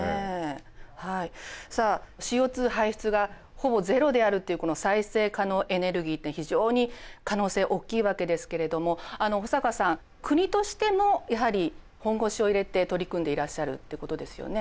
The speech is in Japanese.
さあＣＯ排出がほぼゼロであるっていうこの再生可能エネルギーって非常に可能性大きいわけですけれども保坂さん国としてもやはり本腰を入れて取り組んでいらっしゃるってことですよね。